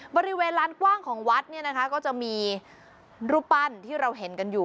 บริเวณลานกว้างของวัดเนี่ยนะคะก็จะมีรูปปั้นที่เราเห็นกันอยู่